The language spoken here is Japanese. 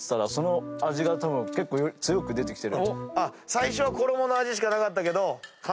最初は衣の味しかなかったけどかん